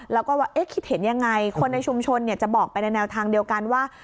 แล้วก็ว่าคิดเห็นยังไงคนในชุมชนจะบอกไปในแนวทางเดียวกันว่า